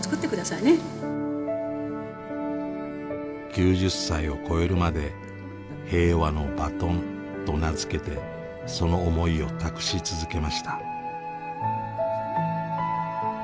９０歳を超えるまで平和のバトンと名付けてその思いを託し続けました。